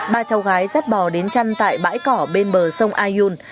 ba cháu gái dắt bò đến chăn tại bãi cỏ bên bờ sông ayun